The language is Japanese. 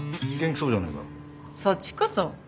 そっちこそ。